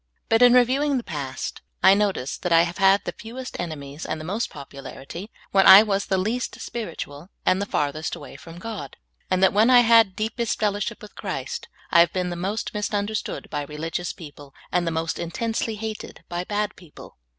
But in reviewing the past, I notice that I have had the few^est enemies and the most popularity w^hen I was the least spiritual and the farthest away from God ; and that, wdien I have had deepest fellowship with Christ, I have been the most misunderstood by religious people and the most intensely hated by bad people.